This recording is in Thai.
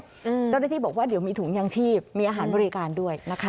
เจ้าหน้าที่บอกว่าเดี๋ยวมีถุงยางชีพมีอาหารบริการด้วยนะคะ